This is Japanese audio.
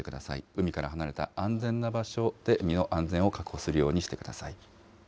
海から離れた安全な場所で身の安全を確保するようにしてください。